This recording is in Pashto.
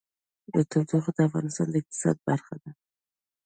تودوخه د افغانستان د اقتصاد برخه ده.